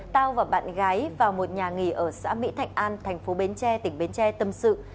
tào và bạn gái vào một nhà nghỉ ở xã mỹ thạnh an tp bến tre tp bến tre tâm sự